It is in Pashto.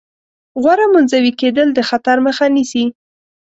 غوره منزوي کېدل د خطر مخه نیسي.